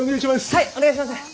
はいお願いします！